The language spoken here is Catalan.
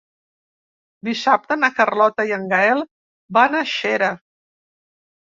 Dissabte na Carlota i en Gaël van a Xera.